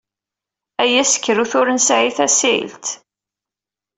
Ay aseksut ur nesɛi tasilt!